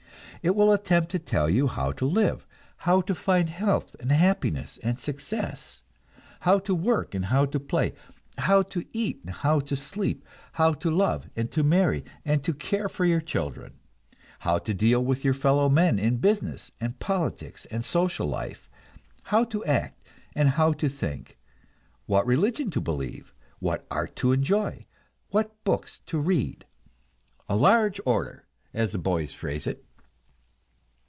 It will attempt to tell you how to live, how to find health and happiness and success, how to work and how to play, how to eat and how to sleep, how to love and to marry and to care for your children, how to deal with your fellow men in business and politics and social life, how to act and how to think, what religion to believe, what art to enjoy, what books to read. A large order, as the boys phrase it!